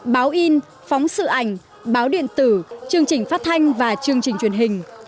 báo in phóng sự ảnh báo điện tử chương trình phát thanh và chương trình truyền hình